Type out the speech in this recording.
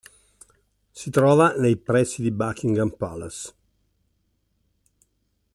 Si trova nei pressi di Buckingham Palace.